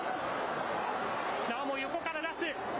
なおも横から出す。